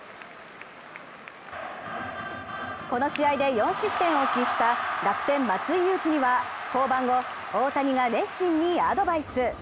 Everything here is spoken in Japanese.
この試合で４失点を喫した楽天・松井裕樹には降板後、大谷が熱心にアドバイス。